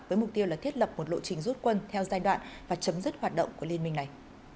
với mục tiêu là thiết lập một lộ trình rút quân theo giai đoạn và chấm dứt hoạt động của liên minh này